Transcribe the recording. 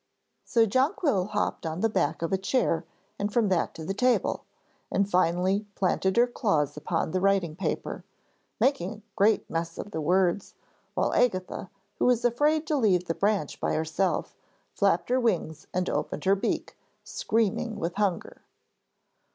So Jonquil hopped on to the back of a chair and from that to the table, and finally planted her claws upon the writing paper, making a great mess of the words; while Agatha, who was afraid to leave the branch by herself, flapped her wings and opened her beak, screaming with hunger.